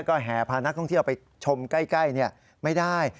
ก็แห่พานักท่องเที่ยวไปชมใกล้ไม่ได้